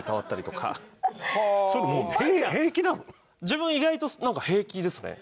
自分意外となんか平気ですね。